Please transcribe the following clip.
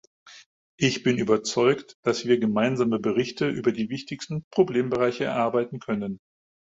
Ich bin überzeugt, dass wir gemeinsame Berichte über die wichtigsten Problembereiche erarbeiten können.